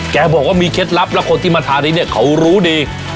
แกบอกว่ามีเคล็ดลับแล้วคนที่มาทานที่เนี่ยเขารู้ดี